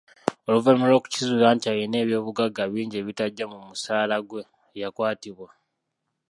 Oluvannyuma lw'okukizuula nti alina eby'obugagga bingi ebitagya mu musaala gwe, yakwatibwa.